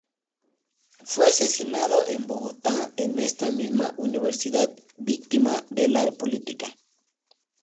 Fue asesinado en Bogotá en esta misma universidad, víctima de la violencia política.